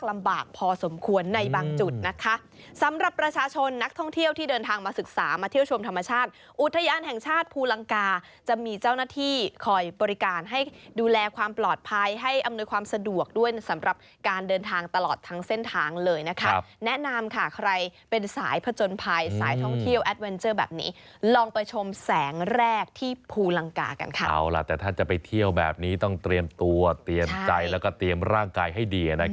มาเที่ยวชมธรรมชาติอุทยานแห่งชาติภูลังกาจะมีเจ้าหน้าที่คอยบริการให้ดูแลความปลอดภัยให้อำนวยความสะดวกด้วยสำหรับการเดินทางตลอดทางเส้นทางเลยนะคะแนะนำค่ะใครเป็นสายผจญภัยสายท่องเที่ยวแบบนี้ลองไปชมแสงแรกที่ภูลังกากันค่ะเอาล่ะแต่ถ้าจะไปเที่ยวแบบนี้ต้องเตรียมตัวเตรียมใจแล้